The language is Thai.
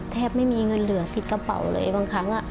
แทบไม่มีเงินเหลืองติดกระเป๋าเลยบางครั้ง